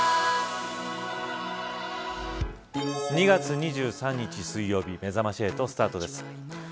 ２月２３日水曜日めざまし８スタートです。